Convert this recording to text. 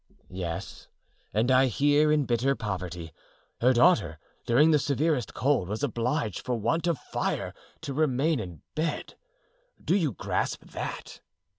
"Yes, and I hear in bitter poverty. Her daughter, during the severest cold, was obliged for want of fire to remain in bed. Do you grasp that?"